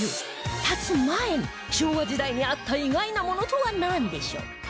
建つ前の昭和時代にあった意外なものとはなんでしょう？